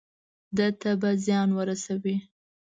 ده ته به زیان ورسوي.